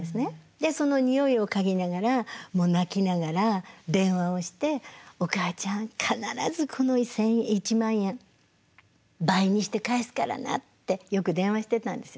でそのにおいを嗅ぎながらもう泣きながら電話をして「おかあちゃん必ずこの１万円倍にして返すからな」ってよく電話してたんです。